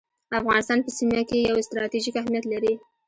افغانستان په سیمه کي یو ستراتیژیک اهمیت لري